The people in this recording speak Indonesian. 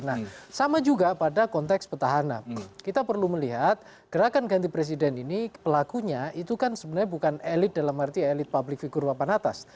nah sama juga pada konteks petahana kita perlu melihat gerakan ganti presiden ini pelakunya itu kan sebenarnya bukan elit dalam arti elit publik figur papan atas